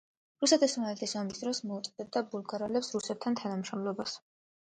რუსეთ-ოსმალეთის ომის დროს მოუწოდებდა ბულგარელებს რუსებთან თანამშრომლობას.